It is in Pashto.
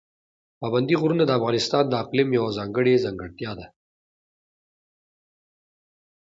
پابندي غرونه د افغانستان د اقلیم یوه ځانګړې ځانګړتیا ده.